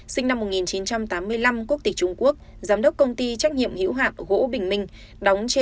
sinh năm một nghìn chín trăm tám mươi năm quốc tịch trung quốc giám đốc công ty trách nhiệm hữu hạn gỗ bình minh đóng